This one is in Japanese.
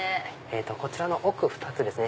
こちらの奥２つですね。